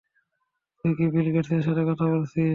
তুই কি বিল গেটসের সাথে কথা বলেছিস?